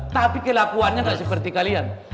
tapi kelakuannya tidak seperti kalian